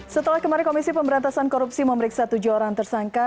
setelah kemarin komisi pemberantasan korupsi memeriksa tujuh orang tersangka